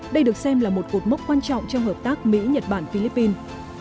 đây được xem là một cột mốc quan trọng trong hợp tác mỹ nhật bản philippines